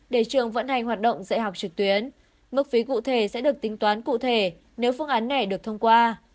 để trường vận hành hoạt động dạy học trực tuyến mức phí cụ thể sẽ được tính toán cụ thể nếu phương án này được thông qua